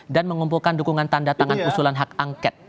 dan mengumpulkan dukungan tanda tangan usulan hak angket